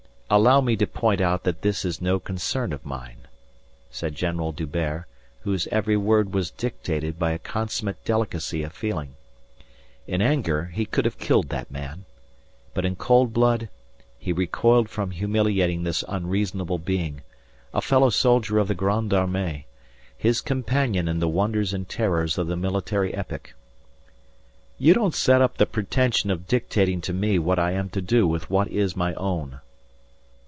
"Allow me to point out that this is no concern of mine," said General D'Hubert, whose every word was dictated by a consummate delicacy of feeling. In anger, he could have killed that man, but in cold blood, he recoiled from humiliating this unreasonable being a fellow soldier of the Grand Armée, his companion in the wonders and terrors of the military epic. "You don't set up the pretension of dictating to me what I am to do with what is my own."